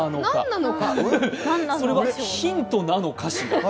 それはヒントなのかしら？